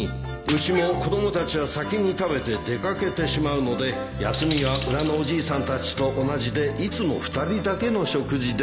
うちも子供たちは先に食べて出掛けてしまうので休みは裏のおじいさんたちと同じでいつも２人だけの食事です